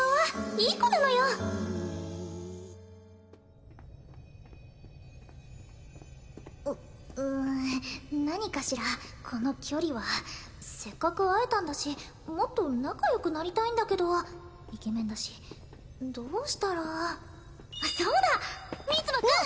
イーッううん何かしらこの距離はせっかく会えたんだしもっと仲良くなりたいんだけどイケメンだしどうしたらあっそうだミツバくん！